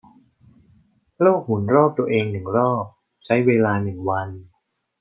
โลกหมุนรอบตัวเองหนึ่งรอบใช้เวลาหนึ่งวัน